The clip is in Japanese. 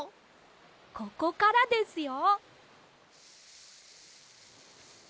ここからですよ。